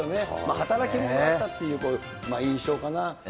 働き者だったっていう印象かな。